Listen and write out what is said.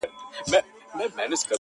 پرې اوښتي دي وختونه او قرنونه-